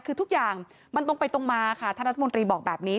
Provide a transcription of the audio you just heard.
คือทุกอย่างมันตรงไปตรงมาค่ะท่านรัฐมนตรีบอกแบบนี้